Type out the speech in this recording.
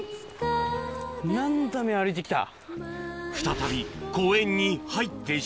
何のために歩いてきた？